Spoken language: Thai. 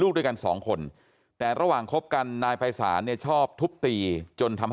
ด้วยกันสองคนแต่ระหว่างคบกันนายภัยศาลเนี่ยชอบทุบตีจนทำ